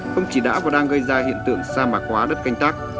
không chỉ đã và đang gây ra hiện tượng sa mạc quá đất canh tác